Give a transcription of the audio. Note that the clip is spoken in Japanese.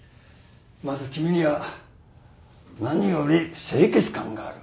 まず君には何より清潔感がある。